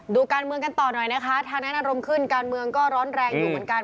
ดูการเมืองกันต่อหน่อยนะคะทางนั้นอารมณ์ขึ้นการเมืองก็ร้อนแรงอยู่เหมือนกัน